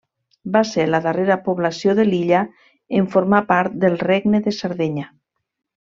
Va ser la darrera població de l’illa en formar part del Regne de Sardenya.